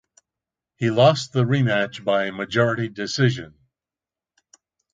He lost the rematch by majority decision.